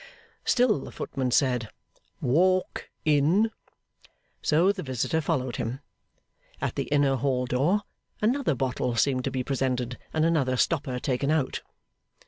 Still the footman said 'Walk in,' so the visitor followed him. At the inner hall door, another bottle seemed to be presented and another stopper taken out.